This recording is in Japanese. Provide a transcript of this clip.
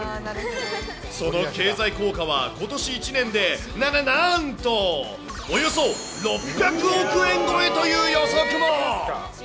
その経済効果は、ことし１年で、な、な、なんと、およそ６００億円超えという予測も。